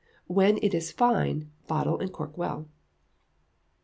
When it is fine, bottle, and cork well.